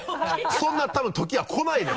そんな多分時は来ないのよ！